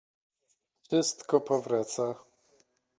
Wszystko powraca